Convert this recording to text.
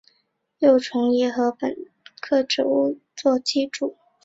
幼虫以禾本科植物作寄主。